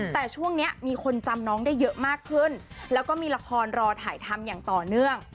แต่ช่วงนี้มีคนจำน้องได้เยอะมากขึ้นแล้วก็มีละครรอถ่ายทำอย่างต่อเนื่อง